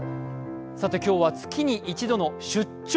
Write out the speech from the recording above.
今日は月に一度の「出張！